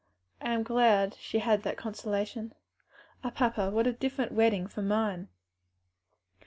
I am glad she had that consolation. Ah, papa, what a different wedding from mine!"